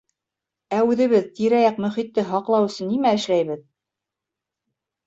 Ә үҙебеҙ тирә-яҡ мөхитте һаҡлау өсөн нимә эшләйбеҙ?